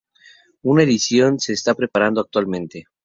Una edición se está preparando actualmente.